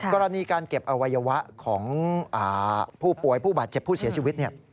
กรณีการเก็บอวัยวะของผู้ป่วยผู้บาดเจ็บผู้เสียชีวิต